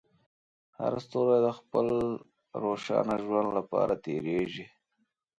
هر ستوری د خپل روښانه ژوند لپاره تېرېږي.